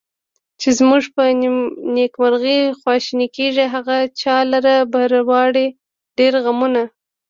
چې زمونږ په نیکمرغي خواشیني کیږي، هغه چا لره به راوړي ډېر غمونه